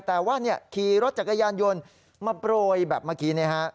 แต่ว่าขี่รถจักรยานยนต์มาโปรยแบบเมื่อกี้